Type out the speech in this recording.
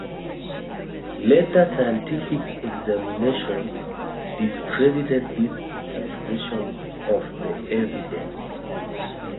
Later scientific examination discredited this interpretation of the evidence.